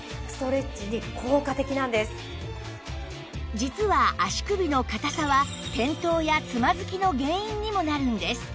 実は足首の硬さは転倒やつまずきの原因にもなるんです